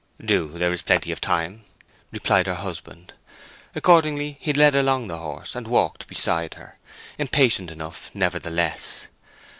"Do; there's plenty of time," replied her husband. Accordingly he led along the horse, and walked beside her, impatient enough nevertheless.